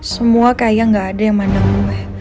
semua kayak gak ada yang mandang gue